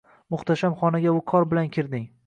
…Muhtasham xonaga viqor bilan kirding.